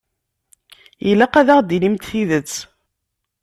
Ilaq ad aɣ-d-tinimt tidet.